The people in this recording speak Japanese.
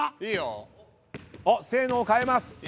あっ「せーの」を変えます。